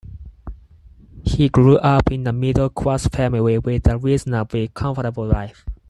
He grew up in a middle-class family with a reasonably comfortable life.